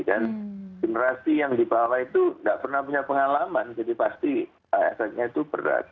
dan generasi yang di bawah itu tidak pernah punya pengalaman jadi pasti asetnya itu berat